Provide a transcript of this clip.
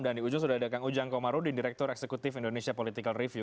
dan di ujung sudah ada kang ujang komarudin direktur eksekutif indonesia political review